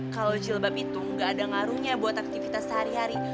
kalau jilbab itu nggak ada ngaruhnya buat aktivitas sehari hari